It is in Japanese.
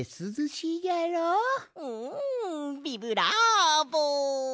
うんビブラーボ！